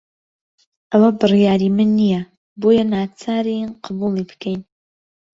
ئەوە بڕیاری من نییە، بۆیە ناچارین قبوڵی بکەین.